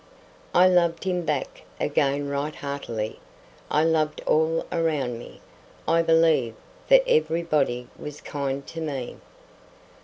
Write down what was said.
I loved him back again right heartily. I loved all around me, I believe, for everybody was kind to me.